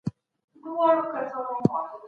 څه ډول قوانین د معلولینو ساتنه کوي؟